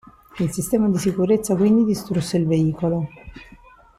Il sistema di sicurezza quindi distrusse il veicolo.